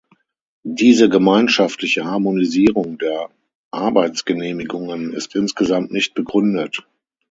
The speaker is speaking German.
Diese gemeinschaftliche Harmonisierung der Arbeitsgenehmigungen ist insgesamt nicht begründet.